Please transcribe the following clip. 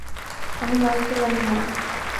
আমি নাচতে জানিনা।